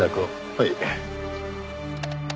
はい。